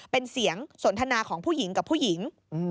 เป็นเสียงสนทนาของผู้หญิงกับผู้หญิง